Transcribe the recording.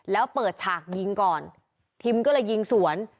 แล้วเปิดฉากยิงก่อนทิมก็เลยยิงสวน